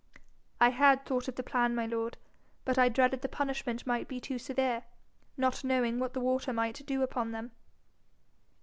'I had thought of the plan, my lord; but I dreaded the punishment might be too severe, not knowing what the water might do upon them.'